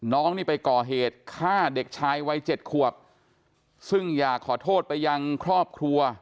น้องนี่ไปก่อเหตุฆ่าเด็กชายวัยเจ็ดขวบซึ่งอยากขอโทษไปยังครอบครัว